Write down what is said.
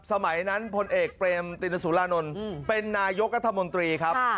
สมัยนั้นพลเอกเปรมตินสุรานนท์เป็นนายกรัฐมนตรีครับ